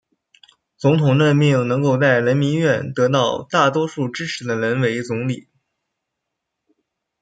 总统任命能够在人民院得到大多数支持的人为总理。